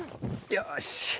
よし。